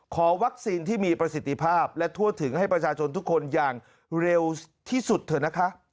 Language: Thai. ขอวัคซีนที่มีประสิทธิภาพและทั่วถึงให้ประชาชนทุกคนอย่างเร็วที่สุดเถอะนะคะ